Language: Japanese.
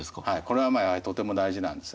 これはとても大事なんですね。